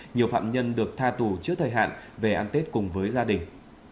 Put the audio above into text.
nhiều phạm nhân được tha tù trước thời hạn về ăn tết cùng với gia đình